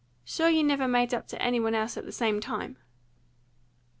"Sure you never made up to any one else at the same time?"